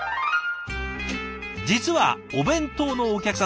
実はお弁当のお客さん